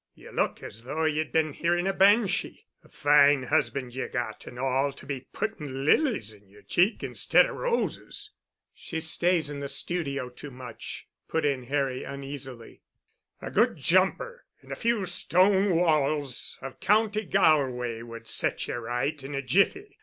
Ye look as though ye'd been hearing a banshee. A fine husband ye've got, and all, to be putting lilies in yer cheeks instead of roses!" "She stays in the studio too much," put in Harry, uneasily. "A good jumper and a few stone walls of County Galway would set ye right in a jiffy.